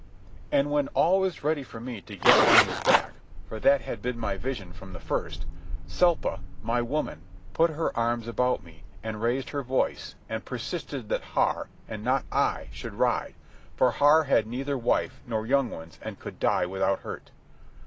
And when all was ready for me to get on his back—for that had been my vision from the first—Selpa, my woman, put her arms about me, and raised her voice and persisted that Har, and not I, should ride, for Har had neither wife nor young ones and could die without hurt.